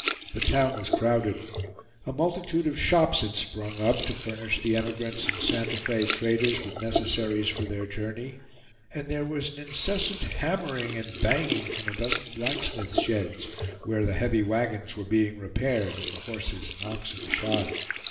The town was crowded. A multitude of shops had sprung up to furnish the emigrants and Santa Fe traders with necessaries for their journey; and there was an incessant hammering and banging from a dozen blacksmiths' sheds, where the heavy wagons were being repaired, and the horses and oxen shod.